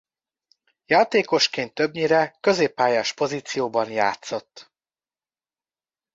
Játékosként többnyire középpályás pozícióban játszott.